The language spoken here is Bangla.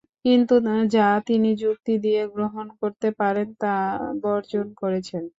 কিন্তু যা তিনি যুক্তি দিয়ে গ্রহণ করতে পারেন নি তা বর্জন করেছেন।